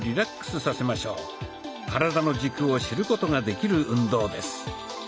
体の軸を知ることができる運動です。